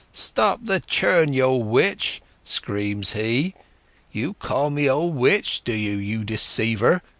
'Stop the churn you old witch!' screams he. 'You call me old witch, do ye, you deceiver!